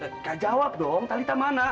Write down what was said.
kak jawab dong talisa mana